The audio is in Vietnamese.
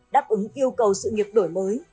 đáp ứng yêu cầu sự nghiệp đổi mới